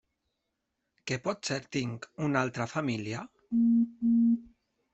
Que potser tinc una altra família?